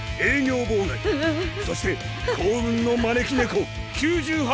そして幸運の招き猫９８